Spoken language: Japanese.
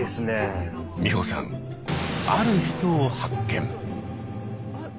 美穂さんある人を発見！